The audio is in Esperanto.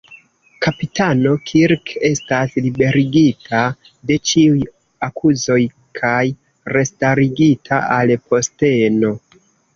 Kapitano Kirk estas liberigita de ĉiuj akuzoj kaj restarigita al posteno.